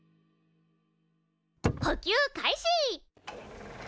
補給開始！